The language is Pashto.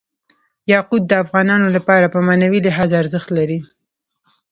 یاقوت د افغانانو لپاره په معنوي لحاظ ارزښت لري.